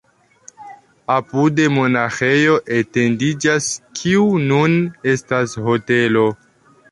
Apude monaĥejo etendiĝas, kiu nun estas hotelo.